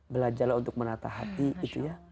belajarlah untuk menata hati gitu ya